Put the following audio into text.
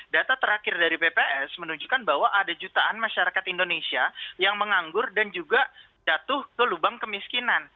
data terakhir dari bps menunjukkan bahwa ada jutaan masyarakat indonesia yang menganggur dan juga jatuh ke lubang kemiskinan